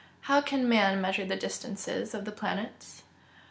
_How can man measure the distances of the planets?